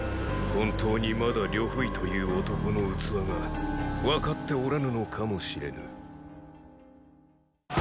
本当にまだ呂不韋という男の“器”が分かっておらぬのかも知れぬ。